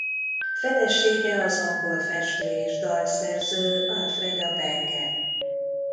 Felesége az angol festő és dalszerző Alfreda Benge.